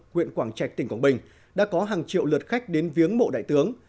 huyện quảng trạch tỉnh quảng bình đã có hàng triệu lượt khách đến viếng mộ đại tướng